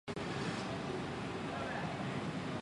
湖广钟祥县人。